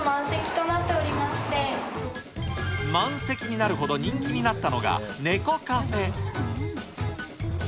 満席になるほど人気になったのがネコカフェ。